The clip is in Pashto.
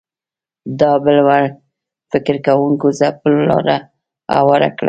دا بل وړ فکر کوونکو ځپلو لاره هواره کړه